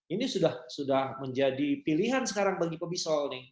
ini sudah menjadi pilihan sekarang bagi pebisol nih